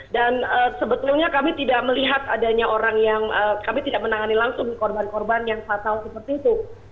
dan sebetulnya kami tidak melihat adanya orang yang kami tidak menangani langsung korban korban yang fatal seperti itu